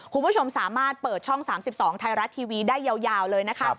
คุณผู้ชมสามารถเปิดช่อง๓๒ไทยรัฐทีวีได้ยาวเลยนะคะ